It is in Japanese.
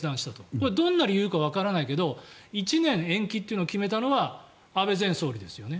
これ、どんな理由かはわからないけど１年延期というのを決めたのは安倍前総理ですよね。